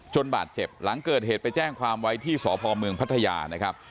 บาดเจ็บหลังเกิดเหตุไปแจ้งความไว้ที่สพเมืองพัทยานะครับ